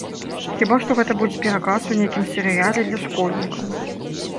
Хіба што гэта будзе пераказ у нейкім серыяле для школьнікаў.